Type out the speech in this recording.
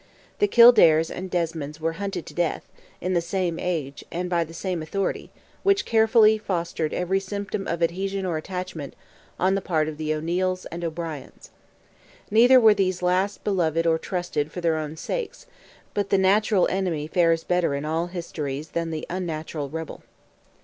The Kildares and Desmonds were hunted to the death, in the same age, and by the same authority, which carefully fostered every symptom of adhesion or attachment on the part of the O'Neils and O'Briens. Neither were these last loved or trusted for their own sakes, but the natural enemy fares better in all histories than the unnatural rebel.